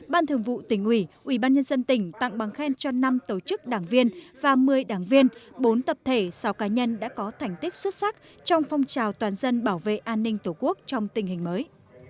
ban thường vụ tỉnh ủy ubnd tỉnh tặng bằng khen cho năm tổ chức đảng viên và một mươi đảng viên bốn tập thể sáu cá nhân đã có thành tích xuất sắc trong phong trào toàn dân bảo vệ an ninh tổ quốc trong tình hình mới